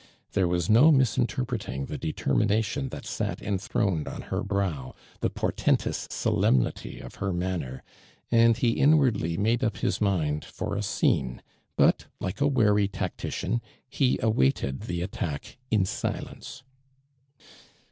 There »vas no misinterpreting the determination that sat enthroned on her brow, the portentous solemnity of her manner, and he inwardly made up his mind for a scene, but, like a wary tactician, he awaited the attack in silence.